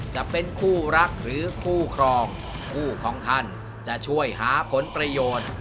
จะเป็นคู่รักหรือคู่ครองคู่ของท่านจะช่วยหาผลประโยชน์